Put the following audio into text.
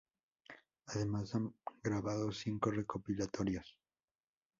Además han grabado cinco recopilatorios.